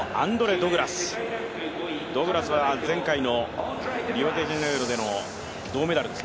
ドグラスは前回のリオデジャネイロでの銅メダルです。